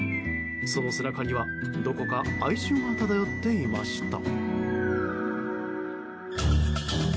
その背中にはどこか哀愁が漂っていました。